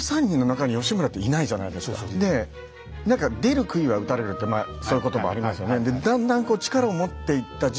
で「出るくいは打たれる」ってそういうこともありますよね。